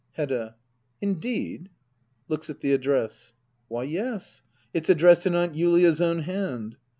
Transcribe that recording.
Hedda. Indeed ? [Looks at the address,] Why yes, it's addressed in Aunt Julia's own hand.